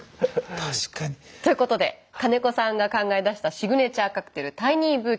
確かに。ということで金子さんが考え出したシグネチャーカクテルタイニーブーケ。